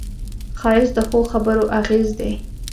ښایست د ښو خبرو اغېز دی